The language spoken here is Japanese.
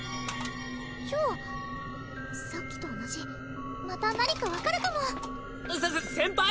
蝶さっきと同じまた何か分かるかもせせ先輩？